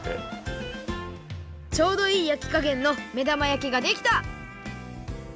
ちょうどいいやきかげんの目玉やきができた！